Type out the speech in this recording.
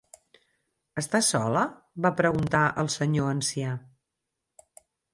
"Està sola?" - va preguntar el senyor ancià.